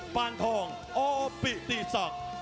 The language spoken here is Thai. ปานทองอปิติสัง